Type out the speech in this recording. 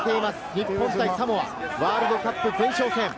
日本対サモア、ワールドカップ前哨戦。